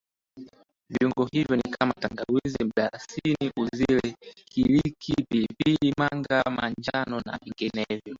Viungo hivyo ni kama tangawizi mdalasini uzile hiliki pilipili manga manjano na vinginevyo